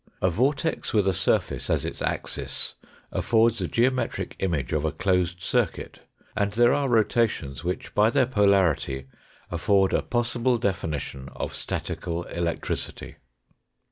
A vortex with a surface as its axis affords a geometric image of a closed circuit, and there are rotations which by their polarity afford a possible definition of statical electricity.